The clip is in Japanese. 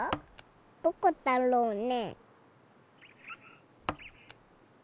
どこだろうね？